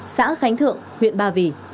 xã khánh thượng huyện ba vì